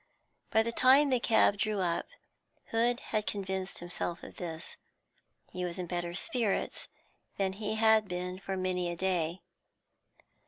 By the time the cab drew up, Hood had convinced himself of this. He was in better spirits than he had been for many a day.